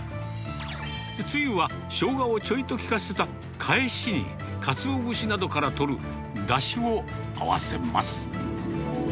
つゆは、しょうがをちょいと効かせたかえしに、カツオ節などからとる、だしを合わせます。